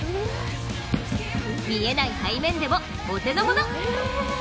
見えない背面でも、お手のもの。